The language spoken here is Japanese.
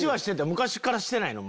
昔からしてないの？